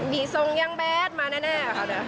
ี่ทรงยังแบทมาแน่ค่ะ